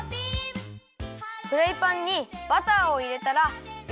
フライパンにバターをいれたらよ